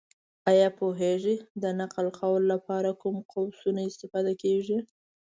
ایا پوهېږې! د نقل قول لپاره کوم قوسونه استفاده کېږي؟